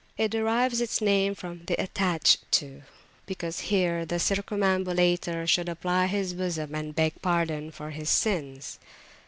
It derives its name, the attached to, because here the circumambulator should apply his bosom, and beg pardon for his sins.